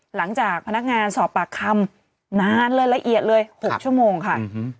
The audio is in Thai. หลังจากพนักงานสอบปากคำนานเลยละเอียดเลย๖ชั่วโมงค่ะ